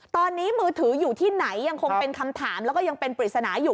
ตอนนี้มือถืออยู่ที่ไหนยังคงเป็นคำถามแล้วก็ยังเป็นปริศนาอยู่